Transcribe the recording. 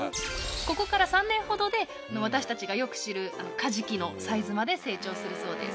ここから３年ほどで私たちがよく知るカジキのサイズまで成長するそうです。